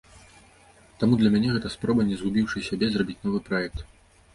Таму для мяне гэта спроба не згубіўшы сябе, зрабіць новы праект.